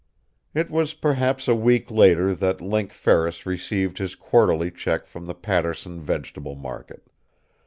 It was perhaps a week later that Link Ferris received his quarterly check from the Paterson Vegetable Market.